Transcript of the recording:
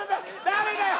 誰だよ！